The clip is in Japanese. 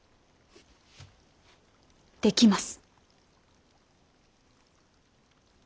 できます。